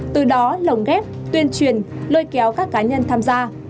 từ đó lồng ghép tuyên truyền lôi kéo các cá nhân tham gia